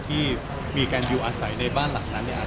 ที่มีอาศัยในบ้านหลังนั้น